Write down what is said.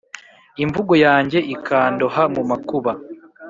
imvugo yanjye ikandoha mumakuba